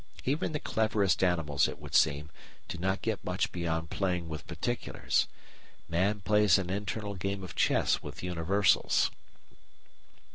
Even the cleverest animals, it would seem, do not get much beyond playing with "particulars"; man plays an internal game of chess with "universals."